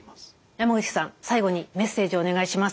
山口さん最後にメッセージをお願いします。